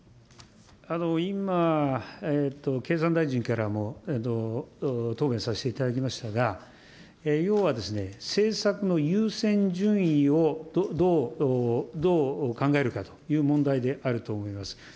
今、経産大臣からも答弁させていただきましたが、要は、政策の優先順位をどう考えるかという問題であるかと思います。